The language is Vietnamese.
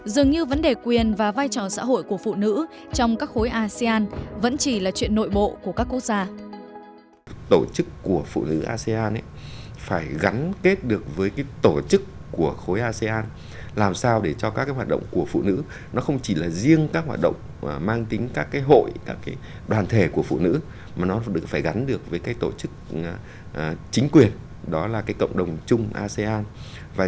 dường như vấn đề quyền và vai trò xã hội của phụ nữ trong các khối asean vẫn chỉ là chuyện nội bộ của các quốc gia